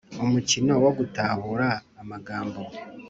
Umukino wo gutahura amagambo